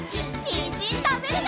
にんじんたべるよ！